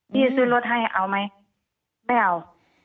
ที่จะซื้อรถให้เอาไหมไม่เอา